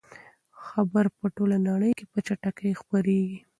خبر په ټوله نړۍ کې په چټکۍ خپریږي.